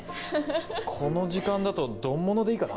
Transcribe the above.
この時間だと丼ものでいいかな。